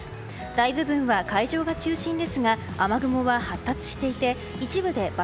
大部分は海上が中心ですが雨雲は発達していて一部で×